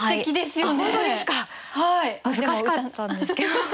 難しかったんですけど。